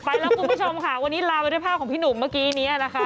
ไปแล้วคุณผู้ชมค่ะวันนี้ลาไปด้วยภาพของพี่หนุ่มเมื่อกี้นี้นะคะ